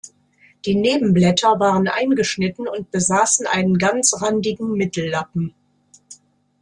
Die Nebenblätter waren eingeschnitten und besaßen einen ganzrandigen Mittellappen.